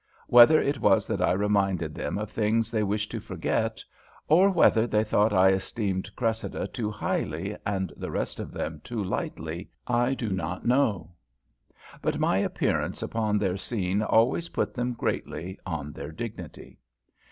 Whether it was that I reminded them of things they wished to forget, or whether they thought I esteemed Cressida too highly and the rest of them too lightly, I do not know; but my appearance upon their scene always put them greatly on their dignity.